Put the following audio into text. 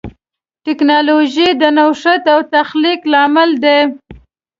ټکنالوجي د نوښت او تخلیق لامل ده.